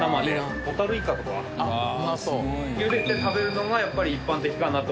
ゆでて食べるのがやっぱり一般的かなと。